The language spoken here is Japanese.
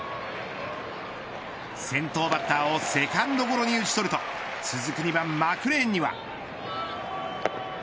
先頭バッターをセカンドゴロに打ち取ると続く２番マクレーンには。